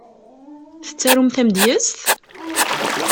Tettarum tamedyezt?